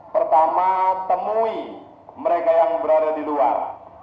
pertama temui mereka yang berada di luar